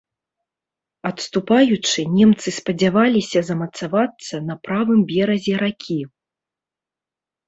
Адступаючы, немцы спадзяваліся замацавацца на правым беразе ракі.